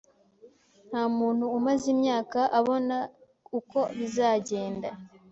Ntamuntu umaze imyaka abona uko bizagenda.